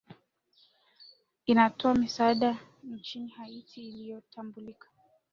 inatoa misaada nchini haiti inayotambulika